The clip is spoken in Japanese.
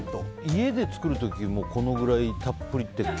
家で作る時もこれくらいたっぷり。